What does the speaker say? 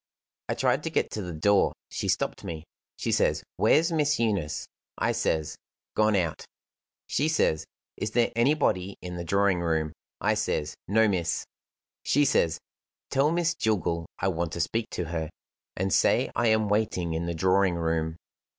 I tried to get to the door. She stopped me. She says: 'Where's Miss Eunice?' I says: 'Gone out.' She says: 'Is there anybody in the drawing room?' I says: 'No, miss.' She says: 'Tell Miss Jillgall I want to speak to her, and say I am waiting in the drawing room.